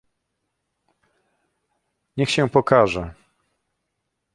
"niech się pokaże!"